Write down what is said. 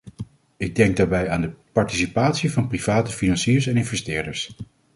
Ik denk daarbij aan de participatie van private financiers en investeerders.